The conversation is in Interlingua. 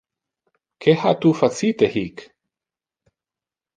Que ha tu facite hic?